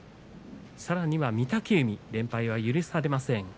さらには御嶽海連敗は許されません。